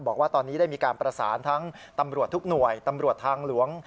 บอกว่าตอนนี้ได้มีการประสานทั้งตำรวจทุกหน่วยตำรวจทางหลวง